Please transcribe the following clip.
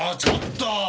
ちょっと！